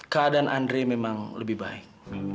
keadaan andre memang lebih baik